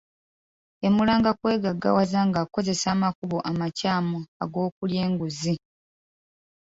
Emulanga kwegaggawaza ng'akozesa amakubo amakyamu ag'okulya enguzzi.